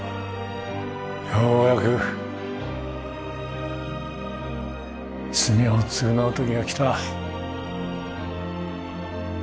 ようやく罪を償う時がきた